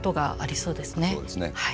そうですね。